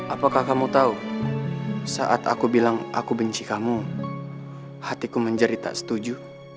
apakah kamu tahu saat aku bilang aku benci kamu hatiku menjadi tak setuju